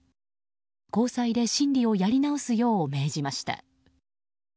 高裁で審理をやり直すよう命じました。